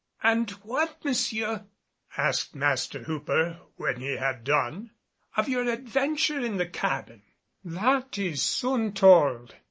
"And what, Monsieur," asked Master Hooper, when he had done, "of your adventure in the cabin?" "That is soon told.